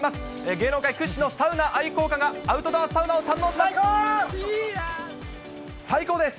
芸能界屈指のサウナ愛好家が、アウトドアサウナを堪能します。